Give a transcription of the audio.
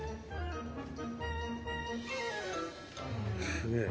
すげえ。